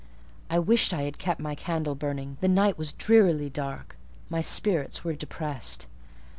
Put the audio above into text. I wished I had kept my candle burning: the night was drearily dark; my spirits were depressed.